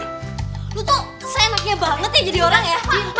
lu tuh se enaknya banget ya jadi orang ya